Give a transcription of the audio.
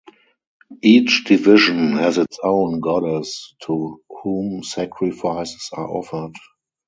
Each division has its own goddess to whom sacrifices are offered.